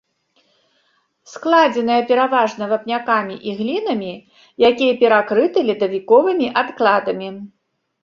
Складзеная пераважна вапнякамі і глінамі, якія перакрыты ледавіковымі адкладамі.